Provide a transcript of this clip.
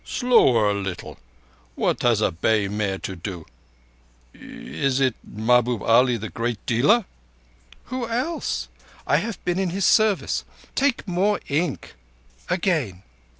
"Slower a little. What has a bay mare to do ... Is it Mahbub Ali, the great dealer?" "Who else? I have been in his service. Take more ink. Again.